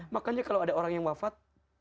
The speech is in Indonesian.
makanya kalau ada orang yang wafat